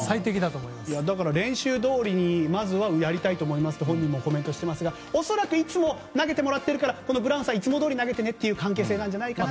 練習どおりにまずはやりたいと思いますと本人もコメントしていますが恐らく、いつも投げてもらってるからブラウンさんいつもどおり投げてねという関係せいじゃないかと。